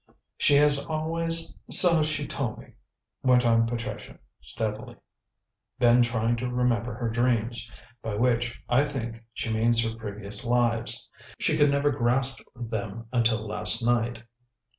"She has always so she told me," went on Patricia steadily, "been trying to remember her dreams, by which, I think, she means her previous lives. She could never grasp them until last night.